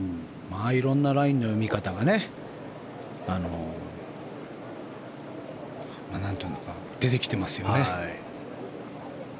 色んなラインの読み方が出てきていますよね。